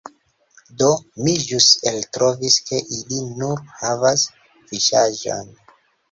Do, mi ĵus eltrovis, ke ili nur havas fiŝaĵon